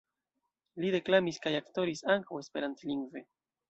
Li deklamis kaj aktoris ankaŭ Esperantlingve.